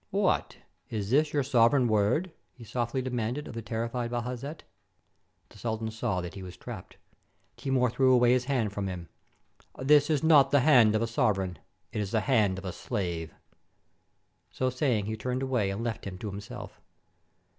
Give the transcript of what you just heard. "What! Is this your sovereign word ?" he softly de manded of the terrified Bajazet. The sultan saw that he was trapped. Timur threw away his hand from him :— "This is not the hand of a sovereign. It is the hand of a slave." So saying, he turned away and left him to himself.